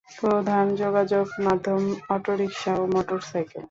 প্রধান যোগাযোগ মাধ্যম অটোরিক্সা ও মোটর সাইকেল।